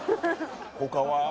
他は？